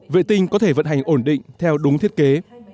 vệ tinh có thể vận hành ổn định theo đúng thiết kế